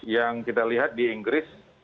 yang kita lihat di inggris